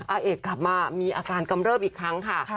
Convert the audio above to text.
อาเอกกลับมามีอาการกำเริบอีกครั้งค่ะ